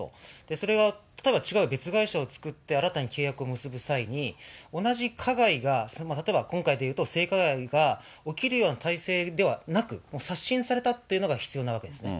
それが例えば違う別会社を作って新たに契約を結ぶ際に、同じ加害が、例えば、今回でいうと性加害が起きるような体制ではなく、もう刷新されたっていうのが必要なわけですね。